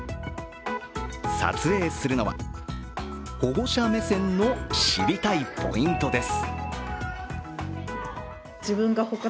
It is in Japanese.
撮影するのは、保護者目線の知りたいポイントです。